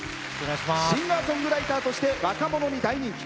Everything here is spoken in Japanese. シンガーソングライターとして若者に大人気。